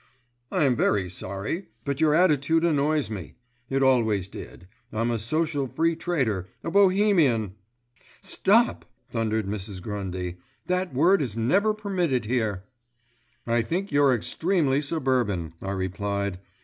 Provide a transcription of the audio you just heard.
"I am very sorry, but your attitude annoys me; it always did. I'm a social free trader, a bohemian——" "STOP!" thundered Mrs. Grundy. "That word is never permitted here." "I think you're extremely suburban," I replied.